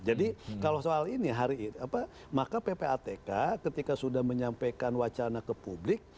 jadi kalau soal ini maka ppatk ketika sudah menyampaikan wacana ke publik